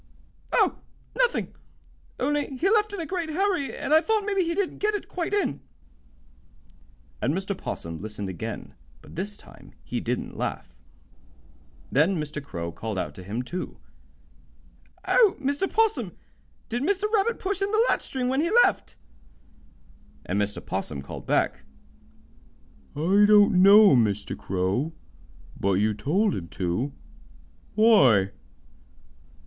"Oh, nothing, only he left in a great hurry, and I thought maybe he didn't get it quite in." And Mr. 'Possum listened again, but this time he didn't laugh. Then Mr. Crow called out to him, too: "Oh, Mr. 'Possum, did Mr. Rabbit push in the latch string when he left?" And Mr. 'Possum called back: "I don't know, Mr. Crow. But you told him to. Why?"